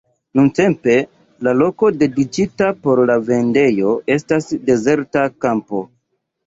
Nuntempe la loko, dediĉita por la vendejo, estas dezerta kampo.